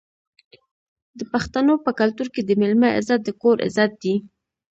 د پښتنو په کلتور کې د میلمه عزت د کور عزت دی.